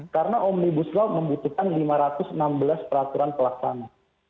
karena omnibus law membutuhkan lima ratus enam belas peraturan pelaksanaan